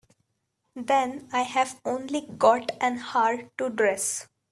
Then I've only got an hour to dress.